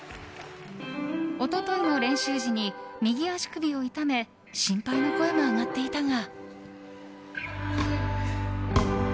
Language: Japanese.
一昨日の練習時に右足首を痛め心配の声も上がっていたが。